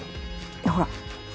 ほら